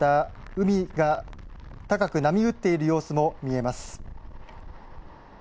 また海が高く波打っている様子も見えます。